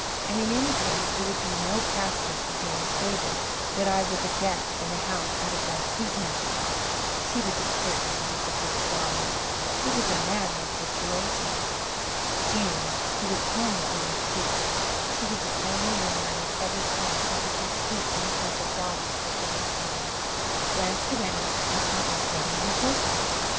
And, in any case, it would be no passport to Jane's favor that I was a guest in the house under false pretences. She would be certain to disapprove strongly. It was a maddening situation. Jane, who was calmly eating soup she was the only woman I had ever seen who could eat soup and look like a goddess at the same time glanced around and caught me studying her profile.